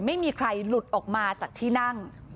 ไม่มีใครหลุดออกมาจากที่นั่ง